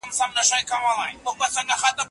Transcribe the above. په لاس لیکل د علم په لار کي د قدم وهلو په مانا دی.